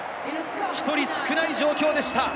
１人少ない状況でした。